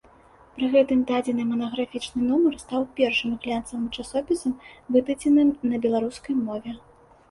Пры гэтым дадзены манаграфічны нумар стаў першым глянцавым часопісам, выдадзеным на беларускай мове.